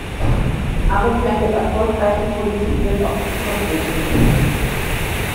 Aber für eine erfolgreiche Politik wird auch Zuckerbrot benötigt.